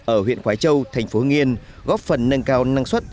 ở huyện quái châu thành phố hương yên góp phần nâng cao năng suất